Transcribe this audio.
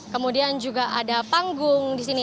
kemudian juga ada panggung di sini